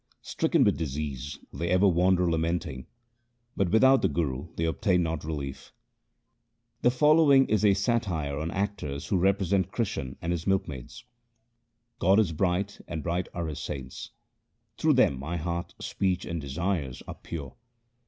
Stricken with disease they ever wander lamenting, but without the Guru they obtain not relief. The following is a satire on actors who repre sent Krishan and his milkmaids :— God is bright, and bright are his saints. Through them my heart, speech, and desires are pure.